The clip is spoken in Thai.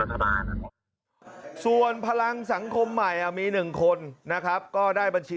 รัฐบาลส่วนพลังสังคมใหม่มี๑คนนะครับก็ได้บัญชี